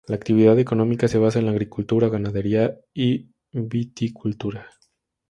La actividad económica se basa en la agricultura, ganadería, y viticultura.